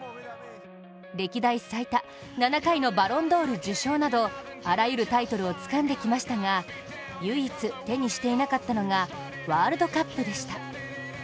歴代最多、７回のバロンドール受賞などあらゆるタイトルをつかんできましたが唯一手にしていなかったのがワールドカップでした。